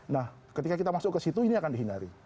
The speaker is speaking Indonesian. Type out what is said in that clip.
nah ketika kita masuk ke situ ini akan dihindari